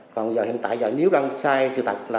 còn hiện tại nếu đăng sai sự thật